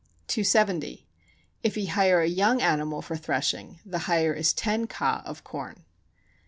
270. If he hire a young animal for threshing, the hire is ten ka of corn.